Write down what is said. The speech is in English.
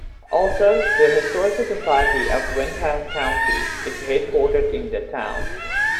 Also, the Historical Society of Windham County is headquartered in the town.